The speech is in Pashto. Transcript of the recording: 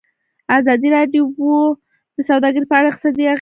ازادي راډیو د سوداګري په اړه د اقتصادي اغېزو ارزونه کړې.